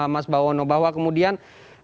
mas bawono bahwa kemudian